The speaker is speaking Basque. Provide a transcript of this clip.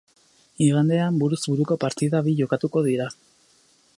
Igandean buruz buruko partida bi jokatuko dira.